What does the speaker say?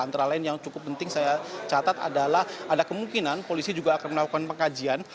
antara lain yang cukup penting saya catat adalah ada kemungkinan polisi juga akan melakukan pengkajian